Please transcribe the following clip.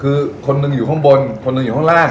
คือคนหนึ่งอยู่ข้างบนคนหนึ่งอยู่ข้างล่าง